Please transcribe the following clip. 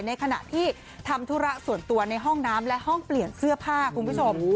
ในขณะที่ทำธุระส่วนตัวในห้องน้ำและห้องเปลี่ยนเสื้อผ้าคุณผู้ชม